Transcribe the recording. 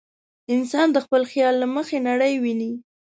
انسان د خپل خیال له مخې نړۍ ویني.